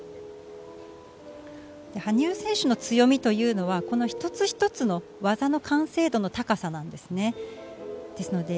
羽生選手の強みというのはこの一つ一つの技の完成度の高さなんですね。